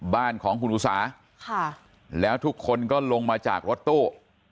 บ้านของคุณอุสาแล้วทุกคนก็ลงมาจากรถตู้